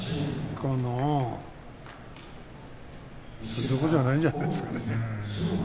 それどころじゃないんじゃないですかね。